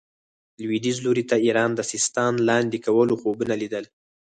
لوېدیځ لوري ته ایران د سیستان لاندې کولو خوبونه لیدل.